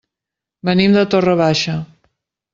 Venim de Torre Baixa.